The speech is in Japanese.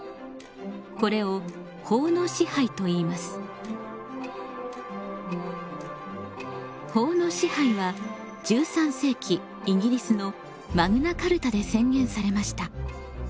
皆さんも「法の支配」は１３世紀イギリスのマグナ・カルタで宣言されました。